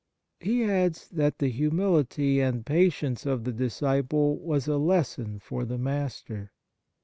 He adds that the humility and patience of the disciple was a lesson for the master.